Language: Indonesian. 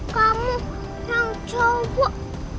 kamu yang cowok